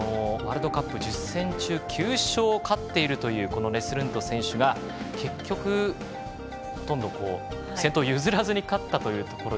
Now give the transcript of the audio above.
ワールドカップ１０戦中９勝勝っているというネスルント選手が結局、ほとんど先頭を譲らずに勝ったと。